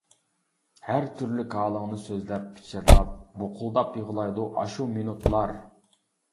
ھەر تۈرلۈك ھالىڭنى سۆزلەپ پىچىرلاپ، بۇقۇلداپ يىغلايدۇ ئاشۇ مىنۇتلار.